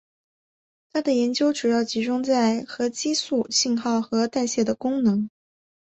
他的研究主要集中在核激素信号和代谢的功能。